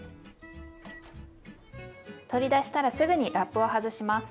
取り出したらすぐにラップを外します。